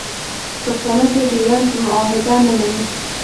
پښتانه د ډیورنډ معاهده نه مني